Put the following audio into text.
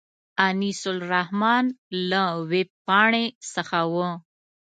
انیس الرحمن له وېبپاڼې څخه و.